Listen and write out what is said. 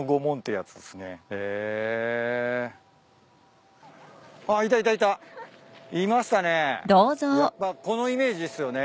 やっぱこのイメージっすよね。